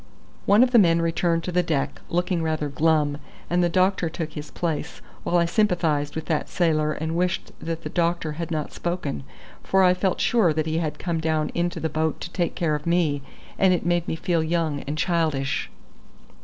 One of the men returned to the deck, looking rather glum, and the doctor took his place, while I sympathised with that sailor and wished that the doctor had not spoken, for I felt sure that he had come down into the boat to take care of me, and it made me feel young and childish.